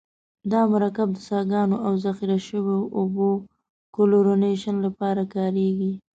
دا مرکب د څاګانو او ذخیره شویو اوبو کلورینیشن لپاره کاریږي.